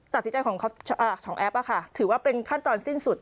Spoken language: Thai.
ตัดสินใจของเขาอ่าของแอปอ่ะค่ะถือว่าเป็นขั้นตอนสิ้นสุด